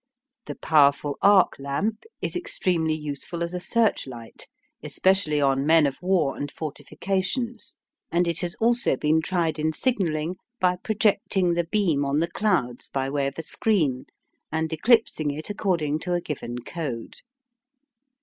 The powerful arc lamp is extremely useful as a "search light," especially on men of war and fortifications, and it has also been tried in signalling by projecting the beam on the clouds by way of a screen, and eclipsing it according to a given code.